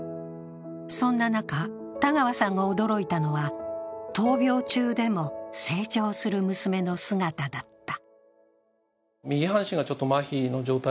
そんな中、田川さんが驚いたのは、闘病中でも成長する娘の姿だった。